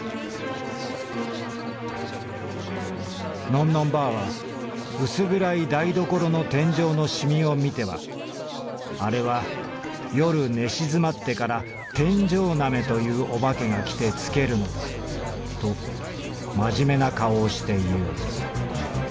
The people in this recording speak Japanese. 「のんのんばあはうす暗い台所の天井のしみを見てはあれは夜寝静まってから『天井なめ』というお化けが来てつけるのだとまじめな顔をしていう。